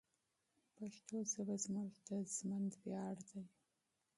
پښتو ژبه زموږ د ژوند ویاړ دی.